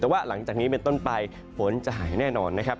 แต่ว่าหลังจากนี้เป็นต้นไปฝนจะหายแน่นอนนะครับ